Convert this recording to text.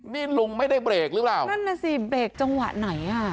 นี่ลุงไม่ได้เบรกหรือเปล่านั่นน่ะสิเบรกจังหวะไหนอ่ะ